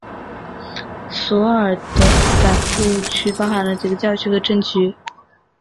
索尔福德百户区包含了几个教区和镇区。